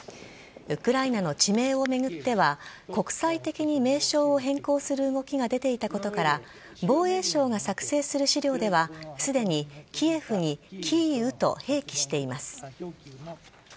ウクライナの地名を巡っては国際的に名称を変更する動きが出ていたことから防衛省が作成する資料ではすでにキエフにキーウと併記しています。